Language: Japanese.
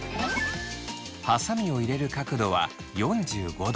はさみを入れる角度は４５度。